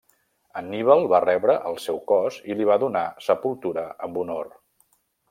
Anníbal va rebre el seu cos i li va donar sepultura amb honor.